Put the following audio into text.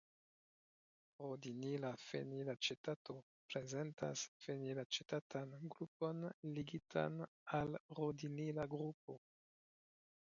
Rodinila fenilacetato prezentas fenilacetatan grupon ligitan al rodinila grupo.